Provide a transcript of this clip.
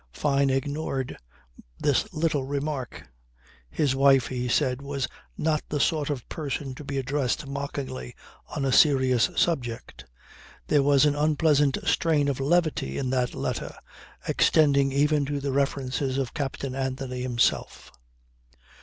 Fyne ignored this little remark. His wife, he said, was not the sort of person to be addressed mockingly on a serious subject. There was an unpleasant strain of levity in that letter, extending even to the references to Captain Anthony himself.